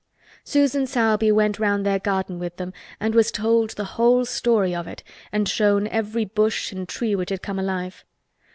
Susan Sowerby went round their garden with them and was told the whole story of it and shown every bush and tree which had come alive.